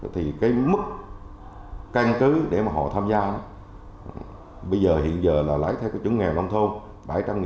thì cái mức canh cứ để mà họ tham gia bây giờ hiện giờ là lấy theo cái chứng nghề nông thôn